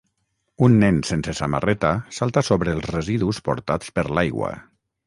Un nen sense samarreta salta sobre els residus portats per l'aigua.